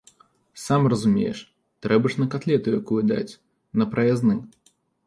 Сам разумееш, трэба ж на катлету якую даць, на праязны.